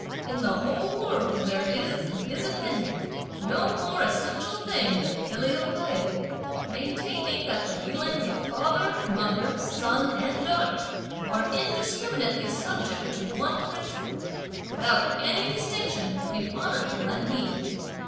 In the whole world, there is (in his opinion), no more essential thing than filial piety; maintaining that the feelings of father, mother, son and daughter are indiscriminately subject to one principle, without any distinction between honorable and mean.